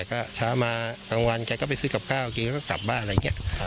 ก็เช้ามากลางวันแกก็ไปซื้อกับข้าวแกก็กลับบ้านอะไรอย่างนี้